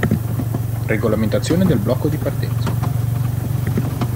Regolamentazione del blocco di partenza.